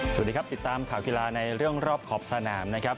สวัสดีครับติดตามข่าวกีฬาในเรื่องรอบขอบสนามนะครับ